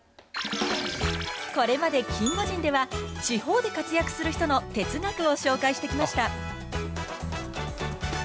これまでキンゴジンでは地方で活躍する人の哲学を紹介してきました。